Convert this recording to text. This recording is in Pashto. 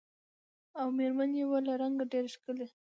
او مېر من یې وه له رنګه ډېره ښکلې